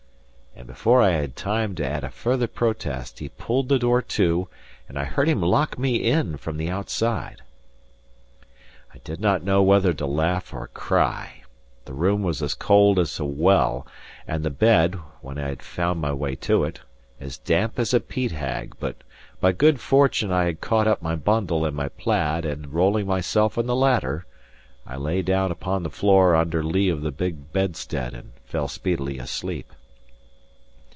And before I had time to add a further protest, he pulled the door to, and I heard him lock me in from the outside. I did not know whether to laugh or cry. The room was as cold as a well, and the bed, when I had found my way to it, as damp as a peat hag; but by good fortune I had caught up my bundle and my plaid, and rolling myself in the latter, I lay down upon the floor under lee of the big bedstead, and fell speedily asleep.